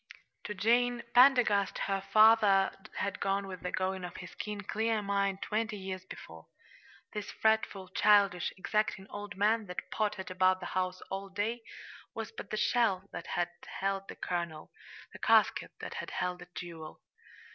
To Jane Pendergast her father had gone with the going of his keen, clear mind, twenty years before. This fretful, childish, exacting old man that pottered about the house all day was but the shell that had held the kernel the casket that had held the jewel.